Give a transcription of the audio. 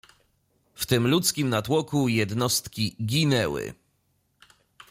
"W tym ludzkim natłoku jednostki ginęły."